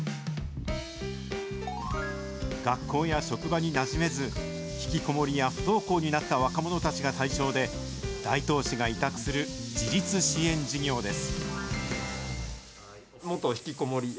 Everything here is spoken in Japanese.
学校や職場になじめず、引きこもりや不登校になった若者たちが対象で、大東市が委託する自立支援事業です。